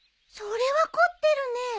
それは凝ってるね。